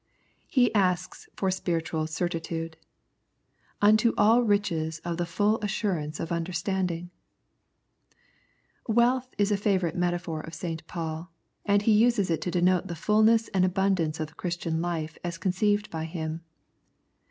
He asked for spiritual certitude :" Unto all riches of the full assurance of under standing." Wealth is a favourite metaphor of St. Paul, and is used to denote the fulness and abundance of the Christian life as con ceived by him.